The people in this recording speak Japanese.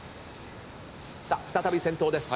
さあ再び先頭です。